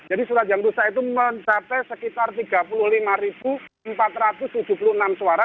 jadi surat yang rusak itu mencapai sekitar tiga puluh lima empat ratus tujuh puluh enam suara